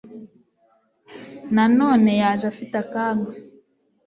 na none yaje afite akaga